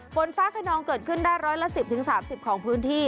ฝนฟ้าขนองเกิดขึ้นได้ร้อยละ๑๐๓๐ของพื้นที่